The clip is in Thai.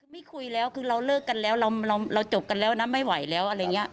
ไม่คุยแล้วคือเราเลิกกันแล้วเราจบกันแล้วนะไม่ไหวแล้วอะไรอย่างนี้